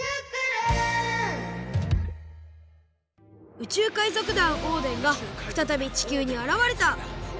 宇宙海賊団オーデンがふたたび地球にあらわれた。